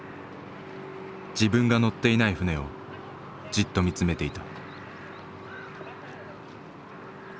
自分が乗っていない船をじっと見つめていた。